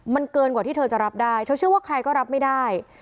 มันเกินกว่าที่เธอจะรับได้เธอเชื่อว่าใครก็รับไม่ได้